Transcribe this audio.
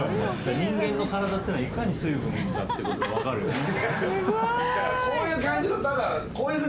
人間の体っていうのはいかに水分かってのが分かるね。